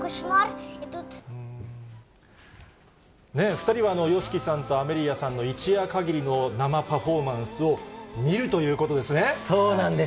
２人はＹＯＳＨＩＫＩさんとアメリアさんの一夜限りの生パフォーマンスを見るということですそうなんです。